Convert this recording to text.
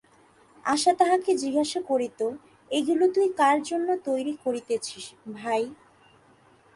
আশা তাহাকে জিজ্ঞাসা করিত, এগুলি তুই কার জন্যে তৈরি করিতেছিস, ভাই।